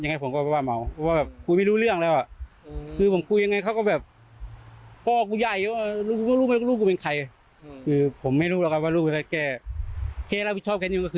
เห็นว่าเขาอ้างว่าเขาเป็นรูปในผลอะไรอย่างนี้ด้วย